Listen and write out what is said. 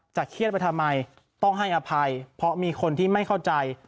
เครียดไปทำไมต้องให้อภัยเพราะมีคนที่ไม่เข้าใจ